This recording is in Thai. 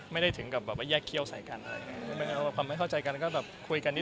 ไม่ได้ถึงแยกเคี่ยวใส่กัน